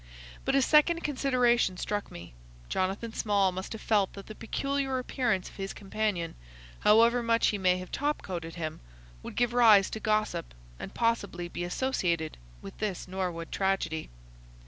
But a second consideration struck me. Jonathan Small must have felt that the peculiar appearance of his companion, however much he may have top coated him, would give rise to gossip, and possibly be associated with this Norwood tragedy.